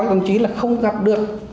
đồng chí là không gặp được